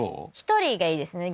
１人がいいですね